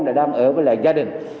đã đang ở với gia đình